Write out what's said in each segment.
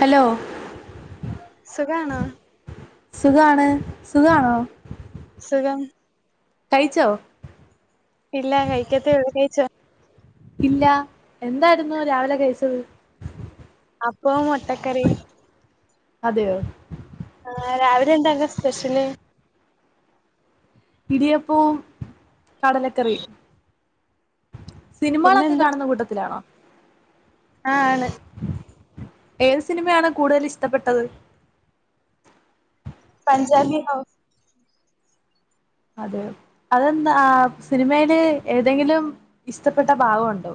Hello സുഖാണോ സുഖാണ് സുഖാണോ സുഖം കഴിച്ചോ ഇല്ല കഴിക്കത്തെയുള്ളു നീ കയിച്ചോ ഇല്ല എന്തായിരുന്നു രാവിലെ കഴിച്ചത് അപ്പവും മൊട്ടക്കറിയും അതെയോ ആ രാവിലെ എന്താ അനക്ക് സ്പെഷ്യല് ഇടിയപ്പവും കടലക്കറിയും സിനിമകളൊക്കെ പിന്നെന്താ കാണുന്ന കൂട്ടത്തിലാണോ ആ ആണ് ഏത് സിനിമയാണ് കൂടുതൽ ഇഷ്ടപ്പെട്ടത് പഞ്ചാബി ഹൗസ് അതെ അതെന്താ സിനിമയില് ഏതെങ്കിലും ഇഷ്ടപ്പെട്ട ഭാഗമുണ്ടോ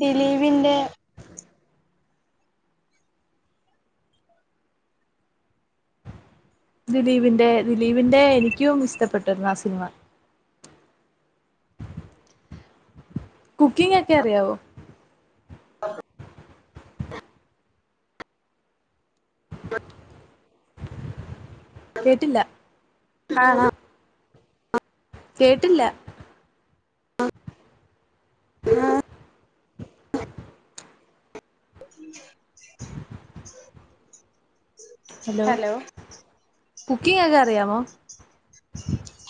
ദിലീപിന്റെ ദിലീപിൻ്ന്റെ ദിലീപിന്റെ എനിക്കും ഇഷ്ടപ്പെട്ടിരുന്നു ആ സിനിമ. കുക്കിംഗ ഒക്കെ അറിയാവോ? ആഹ് [unintelligible] കേട്ടില്ല ആഹ് ഹാ കേട്ടില്ല [unintelligible] ഹലോ കുക്കിങ് ഒക്കെ അറിയമോ?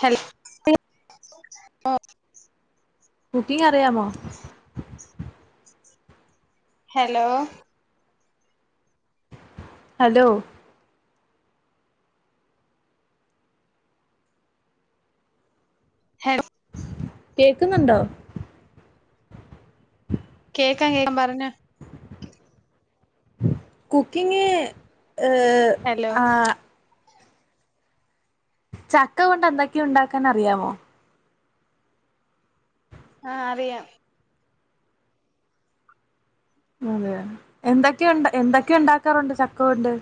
ഹലോ [unintelligible] കുക്കിംഗ് അറിയാമോ? ഹലോ ഹലോ ഹലോ കേൾക്കുന്നുണ്ടോ? കേൾക്കാം കേൾക്കാം. പറഞ്ഞോ? കുക്കിംഗ് ഹ് ഹലോ ആഹ് ചക്ക കൊണ്ട് എന്തൊക്കെയ ഉണ്ടാക്കാൻ അറിയാമോ? ആഹ് അറിയാം അതെ എന്തൊക്കെ എന്തൊക്കെ ഉണ്ടാക്കാറുണ്ട് ചക്കകൊണ്ട്?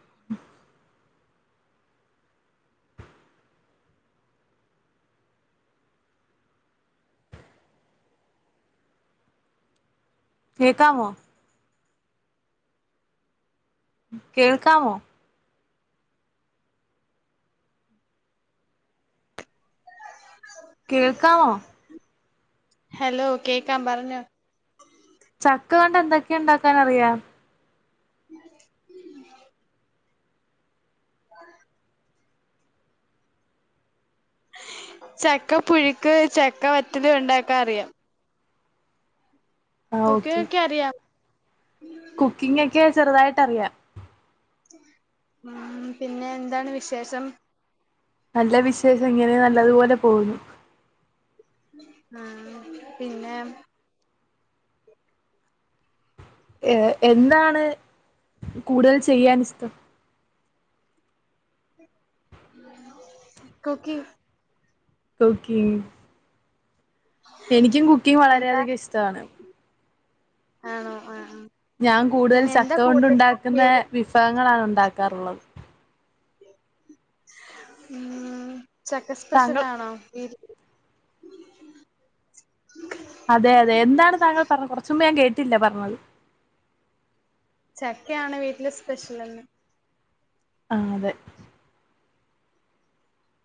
[inaudible] കേക്കാമോ? കേൾക്കാമോ? [inaudible] കേൾക്കമോ? ഹലോ കേക്കാം, പറഞ്ഞോ? ചക്ക കൊണ്ട് എന്തൊക്കെയ ഉണ്ടാക്കാൻ അറിയാം? [inaudible] [inaudible] ചക്ക പുഴുക്ക്, ചക്ക വറ്റല് ഉണ്ടാക്കാൻ അറിയാം. ആഹ് കുക്കിംഗ്‌ ഒക്കെ അറിയാം കുക്കിംഗ ഒക്കെ ചെറുതായിട്ട് അറിയാം. ഉ പിന്നെ എന്താണ് വിശേഷം? നല്ല വിശേഷം ഇങ്ങനെയെ നല്ലതുപോലെ പോകുന്നു. ആ പിന്നെ ഏ എന്താണ് കൂടുതൽ ചെയ്യൻ ഇഷ്ടം? കുക്കിംഗ്‌ ഇപ്പോ കുക്കിംഗ്‌ എനിക്കും കുക്കിംഗ്‌ എന്താ വളരെയധികം ഇഷ്ടമാണ്. ആണോ? ആഹ്, ആഹ് ഞാൻ കൂടുതലും പിന്നെ എന്താ ചക്ക കൊണ്ട് കൂടുതൽ ഉണ്ടാക്കുന്നെ പേര് വിഭവങ്ങളാണ് ഉണ്ടാക്കാറുള്ളത്. ഉം ചക്ക സ്പെഷ്യൽ താങ്കൾ ആണോ? വിര് അതെ, അതെ എന്താണ് താങ്കൾ പറഞ്ഞത് കൊർച്ചുമ്പെ ഞാൻ കേട്ടില്ല പറഞ്ഞത്. ചക്കെയാണ് വീട്ടിലെ സ്പെശ്യലെന്ന്. ആഹ് അതെ.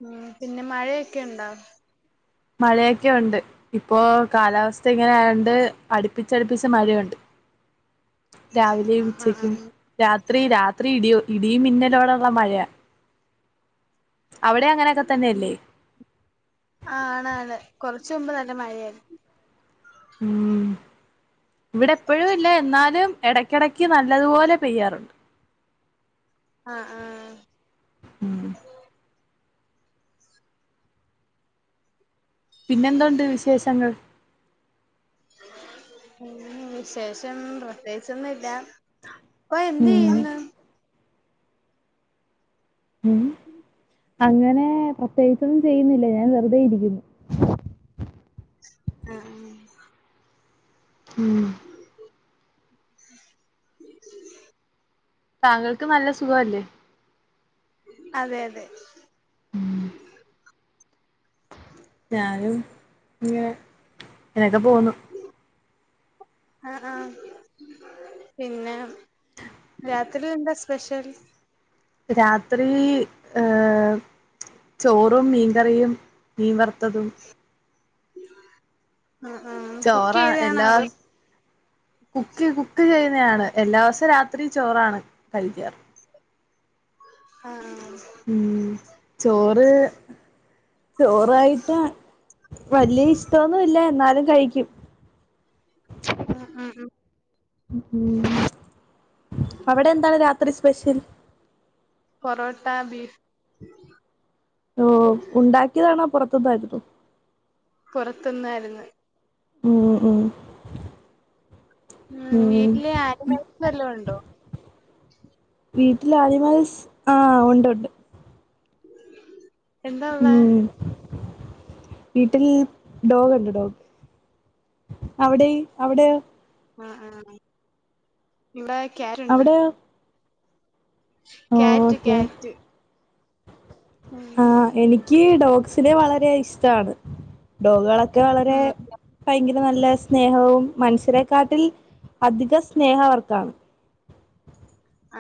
ഉം പിന്നെ മഴയൊക്കെ ഉണ്ടോ? മഴയൊക്കെ ഒണ്ട് ഇപ്പോ കാലാവസ്ഥ ഇങ്ങനെആയോണ്ട് അടുപ്പിച്ചടുപ്പിച്ച് മഴയുണ്ട്. രാവിലെയും ആഹ് ആഹ് ഉച്ചക്കും ആഹ് രാത്രി, രാത്രി ഇടിയോ ഇടിയും മിന്നലോടെയുള്ള മഴയാ. അവിടെ അങ്ങനെയൊക്കെ തന്നെയല്ലേ? ആഹ് ആണ് ആണ് കൊർച്ച് മുമ്പ് ന്നല്ല മഴയായിര്ന്ന്. ഉം ഇവിടെ എപ്പഴും ഇല്ല എന്നാലും എടയ്ക്കിടയ്ക്ക് നല്ലത്പോലെ പെയ്യാറുണ്ട്. അഹ്, ആഹ്. ഉം പിന്നെന്തുണ്ട് വിശേഷങ്ങൾ? ഉം വിശേഷം പ്രത്യേകിച്ചൊന്നുല്ല എന്ത് ഉം ചെയ്യുന്നു ഉം അങ്ങനെ പ്രത്യേകിച്ചൊന്നും ചെയ്യുന്നില്ല ഞാൻ വെറുതെ ഇരിക്കുന്നു. ആഹ് ആഹ് ഉം [inaudible] താങ്കൾക്ക് നല്ല സുഖം അല്ലേ? അതെ, അതെ. ഞാനും ഇങ്ങനെ ഇങ്ങനൊക്കെ പോവ്ന്നു. ആഹ്, ആഹ് പിന്നെ രാത്രി എന്താ സ്പെഷ്യൽ? രാത്രി ഏഹ് ചോറും, മീൻകറിയും, മീൻവർത്തതും. ആഹ്, ആഹ് ചോറാ കുക്കെയ്തെണോ എല്ലാ അതോ കുക്ക് കുക്ക്ചെയ്യുന്നെയാണ് എല്ലാ ദിവസവും രാത്രി ചോറാണ് കഴിക്കാറ്. ആഹ് ആഹ് ഉം ചോറ് ചോറായിട്ടാ വലിയ ഇഷ്ട്ടൊന്നുല്ല എന്നാലും കഴിക്കും. ആഹ് ഉം, ഉം ഉം അവിടെ എന്താണ് രാത്രി സ്പെഷ്യൽ? പൊറോട്ട ബീഫ് [inaudible] ഓഹ് ഉണ്ടാക്കിയതാണോ പൊർത്ത്ന്ന് വര്ത്തു പൊർത്ത്ന്നായിര്ന്ന്. ഉം, ഉം ഉം വീട്ടില് ആനിമൽസ് വല്ലോം ഉണ്ടോ? വീട്ടില് ആനിമൽസ് ആഹ് ഒണ്ട്, ഒണ്ട്. എന്താ ഉള്ളെ ഉം വീട്ടിൽ ഡോഗുണ്ട് ഡോഗ്. അവിടെയ് അവിടെയോ? ആഹ്, ആഹ് ഇവടെ ക്യാറ്റുണ്ട്. അവിടെയോ ഓ ക്യാറ്റ്, ക്യാറ്റ്. ഉം ആഹ് എനിക്ക് ഡോഗ്സിനെ വളരെ ഇഷ്ട്ടാണ്. ഡോഗാളൊക്കെ വളരെ ഉം ഭയങ്കര നല്ല സ്നേഹവും മനുഷ്യരെക്കാട്ടിൽ അധിക സ്നേഹം അവർക്കാണ്.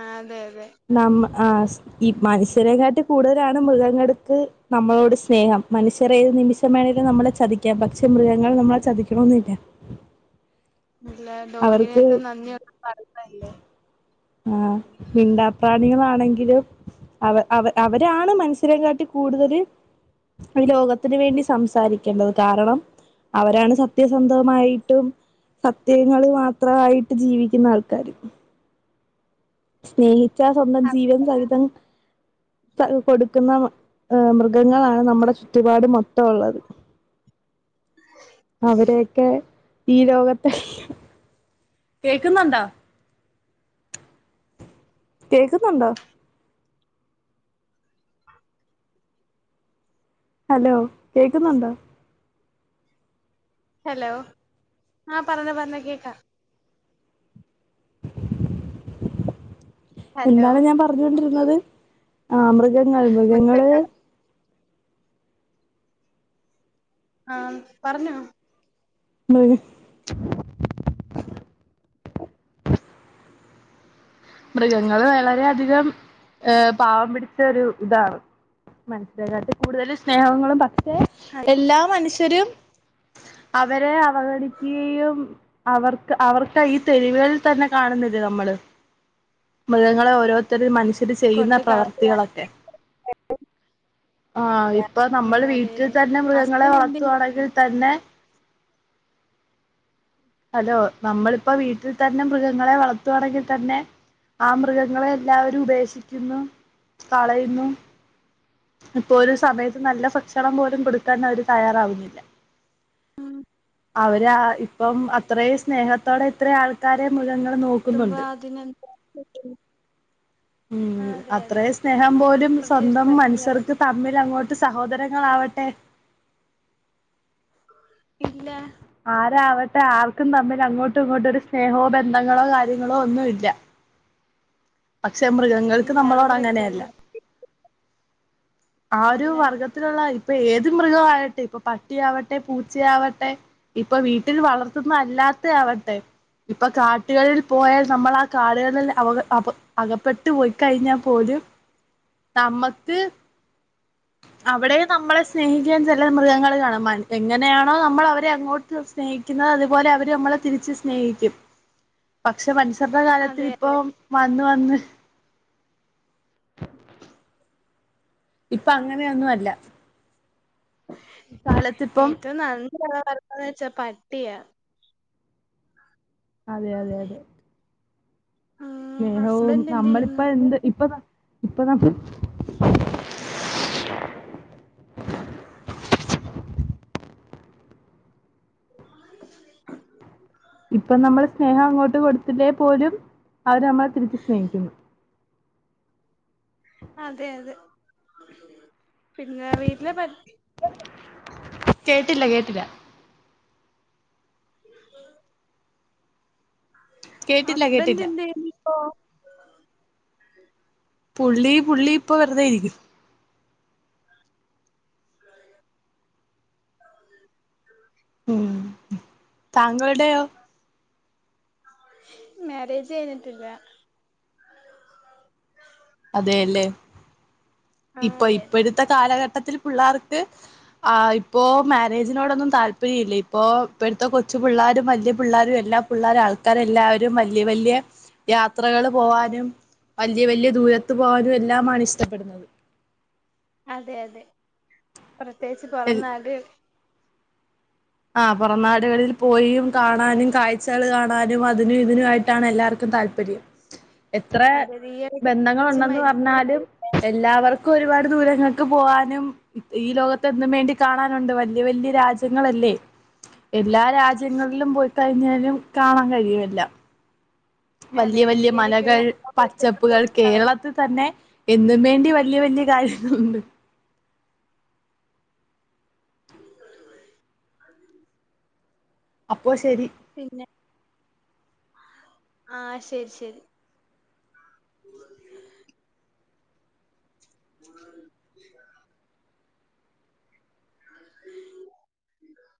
ആഹ് അതെ അതെ നമ്മ ആഹ് സ് ഈ മനുഷ്യരെക്കാട്ടി കൂടുതലാണ് മൃഗങ്ങൾക്ക് നമ്മളോട് സ്നേഹം മനുഷ്യര് ഏത് നിമിഷ ഷം വേണേലും നമ്മളെ ചതിക്കാം പക്ഷേ മൃഗങ്ങൾ നമ്മളെ ചതിക്കണോന്നില്ല. ഇല്ല അവർക്ക് ഡോഗിനെക്കെ നന്ദി [unintelligible] പറഞ്ഞല്ലേ ആഹ് മിണ്ടാ പ്രാണികളാണെങ്കിലും അവ അവ അവരാണ് മനുഷ്യരെക്കാട്ടി കൂടുതല് ഈ ലോകത്തിന് വേണ്ടി സംസാരിക്കേണ്ടത് കാരണം. അവരാണ് സത്യസന്ധമായിട്ടും. സത്യങ്ങള് മാത്രമായിട്ട് ജീവിക്കുന്ന ആൾക്കാര് സ്നേഹിച്ചാ സ്വന്തം അതെ ജീവൻ അതെ. സഹിതം ത കൊടുക്കുന്ന ഏഹ് മൃഗങ്ങളാണ് നമ്മുടെ ചുറ്റുപാട് മൊത്തം ഉള്ളത്. അവരൊക്കെ ഈ ലോകത്തെ കേൾക്കുന്നുണ്ടോ? കേൾക്കുന്നുണ്ടോ? ഹലോ കേക്കുന്നുണ്ടോ? ഹലോ ആഹ് പറഞ്ഞോ പറഞ്ഞോ കേക്കാം [inaudible] ഹലോ എന്താണ് ഞാൻ പറഞ്ഞോണ്ടിരുന്നത് ആ മൃഗങ്ങൾ മൃഗങ്ങള് ആഹ് പറഞ്ഞോ [unintelligible] ആ മൃഗങ്ങള് വളരെെയധികം ഏഹ് പാവം പിടിച്ച ഒരു ഇതാണ്. മനുഷനെകാട്ടി കൂടുതൽ സ്നേഹങ്ങളും പക്ഷെ എല്ലാ മനുഷ്യരും അവരെ അവഗണിക്കുകയും. അവർക്ക് അവർക്ക് ഈ തെരുവുകളിൽ തന്നെ കാണുന്നില്ലേ നമ്മള് മൃഗങ്ങളെ ഓരോരുത്തര് മനുഷ്യര് ചെയ്യുന്ന കൊണ്ട് കളയാൻ പ്രവർത്തികളൊക്കെ ആഹ് ഇപ്പൊ ഉം നമ്മള് അതെ വീട്ടിൽ അതെ തന്നെ മൃഗങ്ങളെ ഹസ്ബൻഡ് എന്ത് വളർത്തുവാണെങ്കിൽ തന്നെ ഹലോ നമ്മളിപ്പോ വീട്ടിൽ തന്നെ മൃഗങ്ങളെ വളർത്തുവാണെങ്കിൽ തന്നെ ആ മൃഗങ്ങളെ എല്ലാവരും ഉപേക്ഷിക്കുന്നു, കളയുന്നു. ഇപ്പൊ ഒരു സമയത്ത് നല്ല ഭക്ഷണം പോലും കൊടുക്കാൻ അവര് തയ്യാറാവുന്നില്ല. ഉം അവര് ആഹ് ഇപ്പം അത്രയും സ്നേഹത്തോടെ ഇത്ര ആ ൾക്കാരെ മൃഗങ്ങള് നോ തുമ്പ അതിനെ [unintelligible] ഉം അത്രേ സ്നേഹം പോലും പ്രത്യേകിച്ച് സ്വന്തം പറ്റില്ല മനുഷ്യർക്ക് തമ്മിലങ്ങോട്ട് സഹോദരങ്ങളാവട്ടെ ഇല്ല. ആരാവട്ടെ ആർക്കും തമ്മിൽ അങ്ങോട്ടും ഇങ്ങോട്ടൊരു സ്നേഹവോ ബന്ധങ്ങളോ, കാര്യങ്ങളോ ഒന്നും ഇല്ല. പക്ഷെ മൃഗങ്ങൾക്ക് ഇല്ല അത് നമ്മളോട് അങ്ങനെയല്ല. മൃഗങ്ങൾ ആ ഒരു അല്ല വർഗ്ഗത്തിലുള്ള ഇപ്പൊ ഏത് മൃഗം ആകട്ടെ ഇപ്പൊ പട്ടി ആവട്ടെ പൂച്ചയാവട്ടെ ഇപ്പൊ വീട്ടിൽ വളർത്തുന്ന അല്ലാത്ത ആവട്ടെ ഇപ്പൊ കാട്ടുകളിൽ പോയാൽ നമ്മൾ ആ കാടു കളിൽ അവ അബ് അകപ്പെട്ട് പോയി കഴിഞ്ഞാൽ പോലും നമ്മക്ക് അവിടെ നമ്മളെ സ്നേഹിക്കാൻ ചില മൃഗങ്ങൾ കാണും. എങ്ങനെയാണോ? നമ്മൾ അവരെ അങ്ങോട്ട് സ്നേഹിക്കുന്നത് അതുപോലെ അവര് നമ്മളെ തിരിച്ച് സ്നേഹിക്കും. പക്ഷെ മനുഷരുടെ കാര്യത്തിൽ അതെ ഇപ്പൊ മാറ്റം വന്ന്. ഇപ്പൊ അങ്ങനെയൊന്നും അല്ല. ഇക്കാലത്തിപ്പം ഏറ്റവും നന്ന വളർത്താന് വെച്ചാ പട്ടിയാ. അതെ അതെ അതെ ഉം സ്നേഹവും ഹസ്ബൻഡ് എന്ത് നമ്മളിപ്പ ചെയ്യുന്നു എന്ത് ഇപ്പ ഇപ്പ [unintelligible] ഇപ്പം നമ്മൾ സ്നേഹം അങ്ങോട്ട് കൊടുത്തില്ലേ പോലും അവര് നമ്മളെ തിരിച്ച് സ്നേഹിക്കുന്നു അതെ അതെ പിന്നെ വീട്ടിലെ പട്ടി കേട്ടില്ല കേട്ടില്ല [unintelligible] കേട്ടില്ല ഹസ്ബൻഡ് കേട്ടില്ല എന്ത് ചെയ്യുന്നു ഇപ്പോ പുള്ളി പുള്ളി ഇപ്പ വെറുതൊയിരിക്കും [unintelligible] ഉം താങ്കളുടെയേ മാരേജ് കഴിന്നിടില്ല അതെല്ലേ ആഹ് ഇപ്പൊ അതെ അതെ ഇപ്പോഴത്തെ കാലഘട്ടത്തിൽ പിള്ളേർക്ക് ആ ഇപ്പോ മാരേജിനോടൊന്നും താല്പര്യം ഇല്ല ഇപ്പൊ ഇപ്പോടുത്തെ കൊച്ചു പിള്ളേരും വലിയ പിള്ളേരും എല്ലാം പിള്ള ആൾക്കാരെല്ലാവരും വലിയ വലിയ യാത്രകൾ പോവാനും വലിയ വലിയ ദൂര ത്തു പോകാനും എല്ലാമാണ് ഇഷ്ടപ്പെടുന്നത് അതെ അതെ പ്രത്യേകിച്ച് പൊറനാട് ആ പുറനാടുകളിൽ പോയി കാണാനും കാഴ്ചകൾ കാണാനും അതിനും ഇതിനു ആയിട്ടാണ് എല്ലാവർക്കും താല്പര്യം എത്ര അതെ അതെ ഈ ഇടക്ക് അച്ഛൻ ബന്ധങ്ങൾണ്ടെന്ന് മരിക്കുകയും പറഞ്ഞാലും ചെയ്തേ എല്ലാവർക്കും ഒരുപാട് ദൂരങ്ങൾക്ക് പോവാനും ഈ ലോകത്ത്ന്നും വേണ്ടി കാണാനുണ്ട് വല്യയ വല്യയ രാജ്യങ്ങളല്ലേ എല്ലാ രാജ്യങ്ങളിലും പോയിക്കഴിഞ്ഞാലും കാണാൻ കഴിയുംല്ല അതെ വല്യയ അതെ വല്യയ ഈ മലകൾ ഇടയ്ക്കൊരു പച്ചപ്പുകൾ കേരളത്തിൽ തന്നെ എന്നും വേണ്ടി വല്യയ വല്യയ കാര്യങ്ങളുണ്ട് [unintelligible] അപ്പോ ശരി പിന്നെ ആഹ് ശരി ശരി [unintelligible] ഉ [unintelligible] [unintelligible]